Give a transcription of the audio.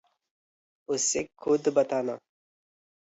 उसे ख़ुद बताना।